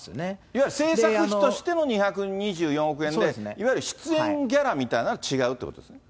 いわゆる制作費としての２２４億円で、いわゆる出演ギャラみたいなのは違うということですね。